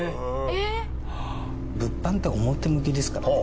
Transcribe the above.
物販って表向きですからね。